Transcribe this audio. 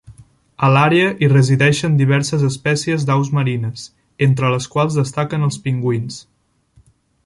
A l'àrea hi resideixen diverses espècies d'aus marines, entre les quals destaquen els pingüins.